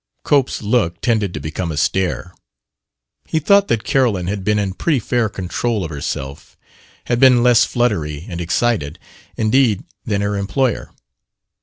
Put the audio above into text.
Cope's look tended to become a stare. He thought that Carolyn had been in pretty fair control of herself, had been less fluttery and excited, indeed, than her employer.